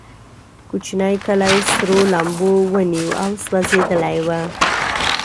کوچنی کلی سرو لمبو ونیو او سوځېدلی و.